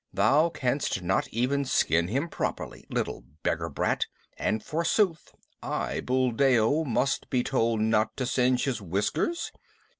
Thou canst not even skin him properly, little beggar brat, and forsooth I, Buldeo, must be told not to singe his whiskers.